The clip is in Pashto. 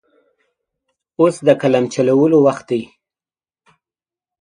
اوس د قلم د چلولو وخت دی.